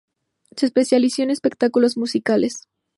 Se especializó en espectáculos musicales.